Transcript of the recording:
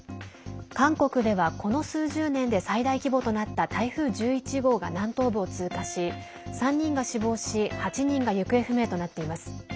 韓国では、この数十年で最大規模となった台風１１号が南東部を通過し３人が死亡し８人が行方不明となっています。